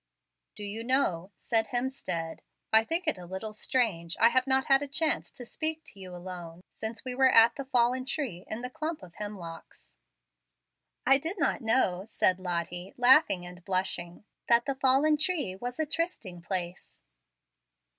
"Do you know," said Hemstead, "I think it a little strange I have not had a chance to speak to you alone since we were at the fallen tree in the clump of hemlocks?" "I did not know," said Lottie, laughing and blushing, "that the 'fallen tree' was a trysting place."